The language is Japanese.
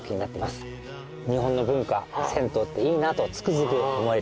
日本の文化銭湯っていいなとつくづく思える。